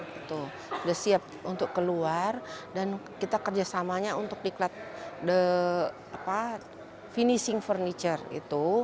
sudah siap untuk keluar dan kita kerjasamanya untuk finishing furniture